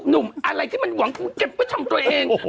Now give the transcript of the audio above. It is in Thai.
หนุ่มอะไรที่มันหวังกูเก็บเพื่อทำตัวเอง